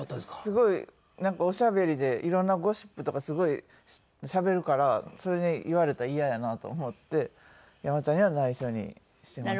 すごいなんかおしゃべりで色んなゴシップとかすごいしゃべるからそれに言われたら嫌やなと思って山ちゃんには内緒にしていました。